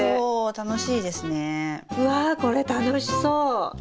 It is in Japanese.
うわこれ楽しそう！